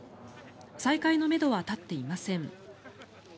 再開のめどは立っていません。